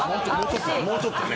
もうちょっとね。